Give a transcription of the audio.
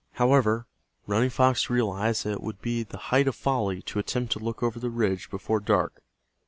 However, Running Fox realized that it would be the height of folly to attempt to look over the ridge before dark.